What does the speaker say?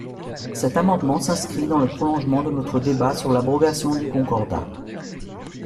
Cet amendement s’inscrit dans le prolongement de notre débat sur l’abrogation du Concordat.